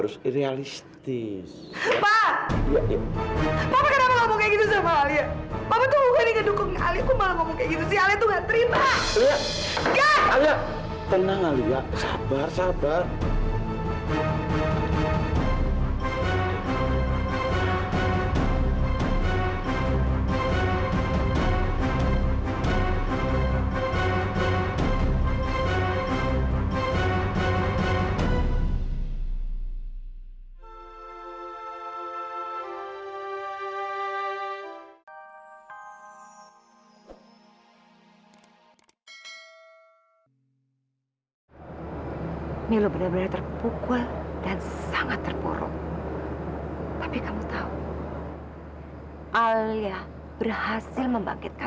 sampai jumpa di video selanjutnya